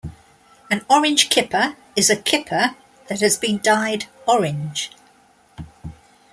An "orange kipper" is a kipper that has been dyed orange.